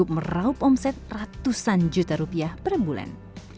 meraup omset ratusan juta rupiah per bulan